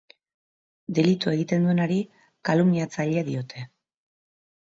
Delitua egiten duenari kalumniatzaile diote.